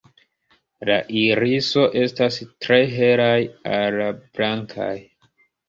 La iriso estas tre helaj al blankaj.